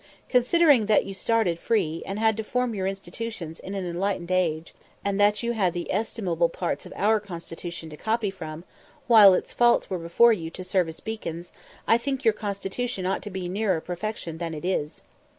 "Considering that you started free, and had to form your institutions in an enlightened age, that you had the estimable parts of our constitution to copy from, while its faults were before you to serve as beacons, I think your constitution ought to be nearer perfection than it is."